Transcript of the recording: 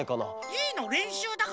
いいのれんしゅうだから！